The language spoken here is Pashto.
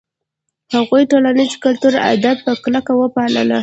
هغوی ټولنیز او کلتوري آداب په کلکه وپالـل.